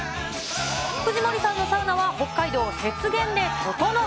藤森さんのサウナは北海道、雪原でととのう。